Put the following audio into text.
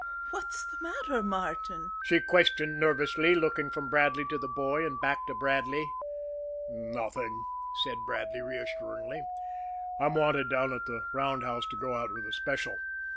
"What's the matter, Martin?" she questioned nervously, looking from Bradley to the boy and back again to Bradley. "Nothing," said Bradley reassuringly. "I'm wanted down at the roundhouse to go out with a special."